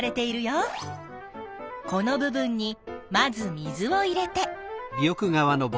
この部分にまず水を入れて。